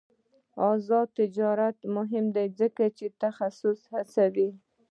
آزاد تجارت مهم دی ځکه چې تخصص هڅوي.